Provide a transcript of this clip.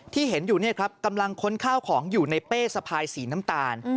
ที่เห็นอยู่เนี่ยครับกำลังค้นข้าวของอยู่ในเป้สะพายสีน้ำตาล